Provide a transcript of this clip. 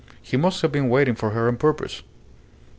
He must have been waiting for her on purpose.